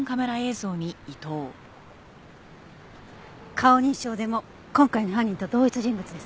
顔認証でも今回の犯人と同一人物ですね。